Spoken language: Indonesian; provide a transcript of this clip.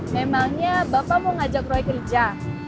memangnya bapak mau ngajak roy kerja